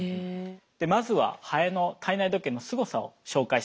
でまずはハエの体内時計のすごさを紹介します。